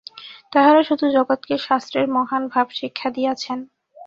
তাঁহারা শুধু জগৎকে শাস্ত্রের মহান ভাব শিক্ষা দিয়াছেন।